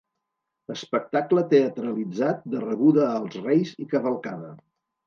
Espectacle teatralitzat de rebuda als reis i cavalcada.